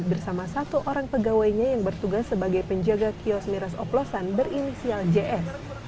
bersama satu orang pegawainya yang bertugas sebagai penjaga kios miras oplosan berinisial js